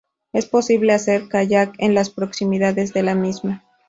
Es posible hacer kayak en las proximidades de la misma.